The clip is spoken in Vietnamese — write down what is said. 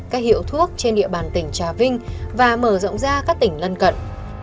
các hiệu thuốc trên địa bàn tỉnh trà vinh và mở rộng ra các tỉnh lân cận